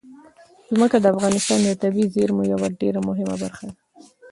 ځمکه د افغانستان د طبیعي زیرمو یوه ډېره مهمه برخه ده.